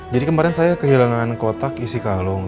jadi kemarin saya kehilangan kotak isi kalung